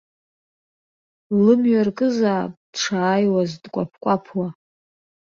Лымҩа ркызаап дшааиуаз дкәаԥкәаԥуа.